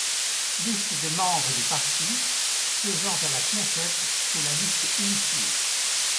Liste des membres du parti siègeant à la Knesset sous la Liste unifiée.